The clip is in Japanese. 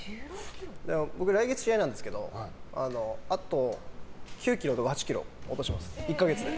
僕、来月試合なんですけどあと９ｋｇとか８ｋｇ落とします１か月で。